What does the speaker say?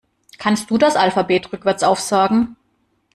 Kannst du das Alphabet rückwärts aufsagen?